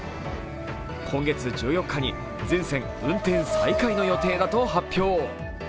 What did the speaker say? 今月１４日に全線運転再開の予定だと発表。